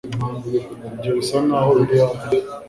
ibyo bisa nkaho biri hafi